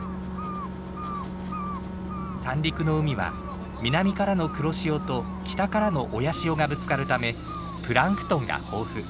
三陸の海は南からの黒潮と北からの親潮がぶつかるためプランクトンが豊富。